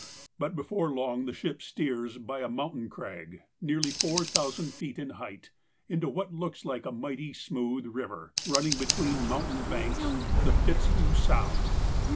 But before long the ship steers by a mountain crag, nearly four thousand feet in height, into what looks like a mighty, smooth river, running between mountain banks, the Fitzhugh Sound.